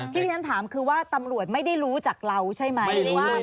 ที่ที่ฉันถามคือว่าตำรวจไม่ได้รู้จักเราใช่ไหมว่า